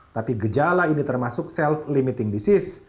tapi gejala ini termasuk self limiting disease